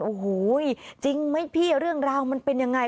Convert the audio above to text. โอ้โหจริงไหมพี่เรื่องราวมันเป็นยังไง